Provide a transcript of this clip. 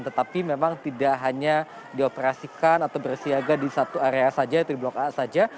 tetapi memang tidak hanya dioperasikan atau bersiaga di satu area saja yaitu di blok a saja